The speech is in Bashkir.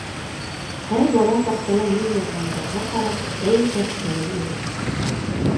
Һәр бала таҡтала мин яҙғандарға ҡарап тәүге хәрефтәрен өйрәнә.